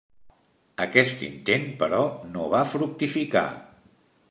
Aquest intent, però, no va fructificar.